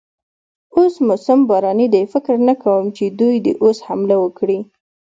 اوس موسم باراني دی، فکر نه کوم چې دوی دې اوس حمله وکړي.